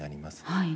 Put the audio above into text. はい。